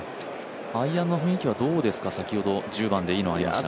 アイアンの雰囲気はどうですか、先ほど１０番でいいのがありましたが。